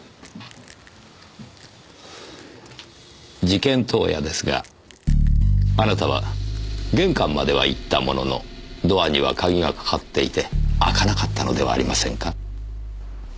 事件当夜ですがあなたは玄関までは行ったもののドアには鍵が掛かっていて開かなかったのではありませんか？